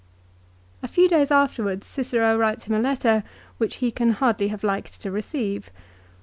3 A few days afterwards Cicero writes him a letter which he can hardly have liked to receive.